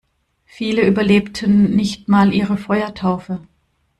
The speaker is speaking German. Viele überlebten nicht mal ihre Feuertaufe.